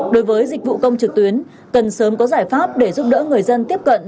đối với dịch vụ công trực tuyến cần sớm có giải pháp để giúp đỡ người dân tiếp cận